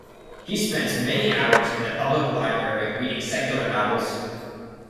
He spent many hours in the public library reading secular novels.